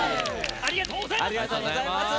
ありがとうございます。